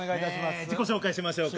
自己紹介しましょうか。